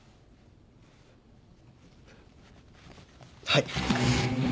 はい。